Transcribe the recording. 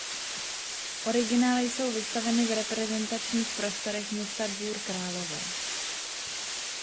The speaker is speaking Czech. Originály jsou vystaveny v reprezentačních prostorech města Dvůr Králové.